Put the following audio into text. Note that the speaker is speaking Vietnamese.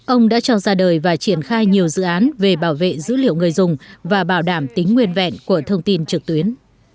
ông đã cho ra đời và triển khai nhiều dự án về bảo vệ dữ liệu người dùng và bảo đảm tính nguyên vẹn của thông tin trực tuyến